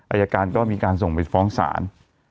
อายการก็มีการส่งไปฟ้องศาล